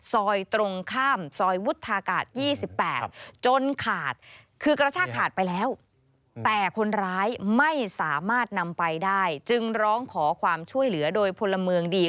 ซอยตรงข้ามซอยวุตถากาศส่วนที่๒๘